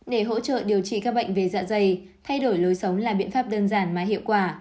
để hỗ trợ điều trị các bệnh về dạ dày thay đổi lối sống là biện pháp đơn giản mà hiệu quả